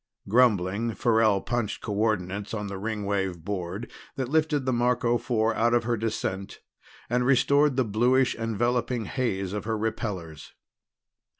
Grumbling, Farrell punched coordinates on the Ringwave board that lifted the Marco Four out of her descent and restored the bluish enveloping haze of her repellors.